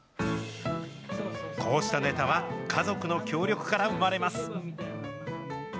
こうしたネタは、家族の協力から生まれます。